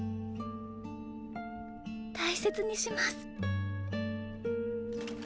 大切にします。